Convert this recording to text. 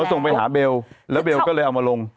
ส่งไปหาเบลแล้วเบลก็เลยเอามาลง